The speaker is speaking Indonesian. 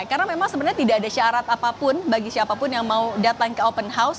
karena memang sebenarnya tidak ada syarat apapun bagi siapapun yang mau datang ke open house